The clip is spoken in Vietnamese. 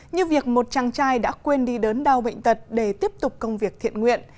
như việc một chàng trai đã quên đi đớn đau bệnh tật để tiếp tục công việc thiện nguyện